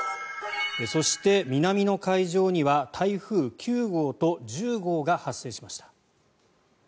そして南の海上には台風９号と１０号が発生しました。